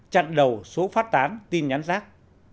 chặn đầu số phát tán tin nhắn rác